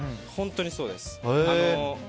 本当にそうです。